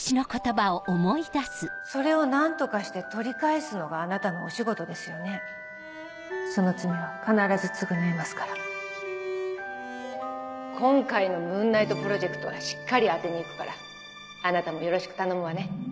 それを何とかして取り返すのがあなたのおその罪は必ず償いますから今回のムーンナイトプロジェクトはしっかり当てにいくからあなたもよろしく頼むわね